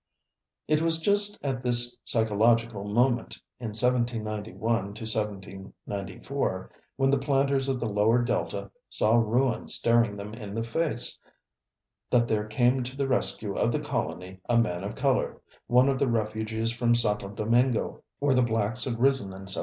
It was just at this psychological moment, in 1791 to 1794, when the planters of the lower Delta saw ruin staring them in the face, that there came to the rescue of the colony a man of color, one of the refugees from Santo Domingo, where the blacks had risen in 1791.